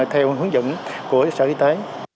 theo hướng dẫn của sở y tế